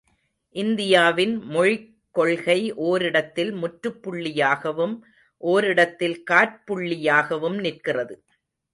இந்தியாவின் மொழிக் கொள்கை ஓரிடத்தில் முற்றுப் புள்ளியாகவும் ஓரிடத்தில் காற்புள்ளியாகவும் நிற்கிறது.